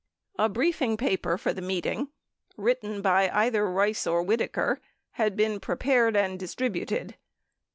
A briefing paper for the meeting (written by either Rice or Whit aker) had been prepared and distributed.